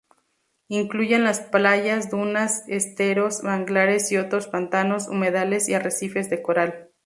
Incluyen las playas, dunas, esteros, manglares y otros pantanos, humedales y arrecifes de coral.